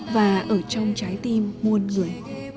mà ở trong trái tim muôn người